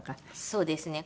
そうですね。